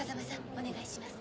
お願いします。